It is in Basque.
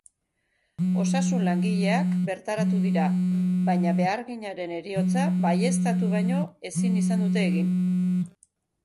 Osasun-langileak bertaratu dira, baina beharginaren heriotza baieztatu baino ezin izan dute egin.